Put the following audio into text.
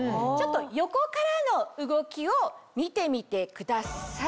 横からの動きを見てみてください。